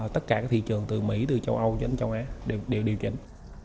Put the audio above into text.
tất cả các thị trường từ mỹ từ châu âu đến châu á đều điều chỉnh